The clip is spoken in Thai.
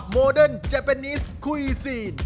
คุณจ่ายตังค์ยัง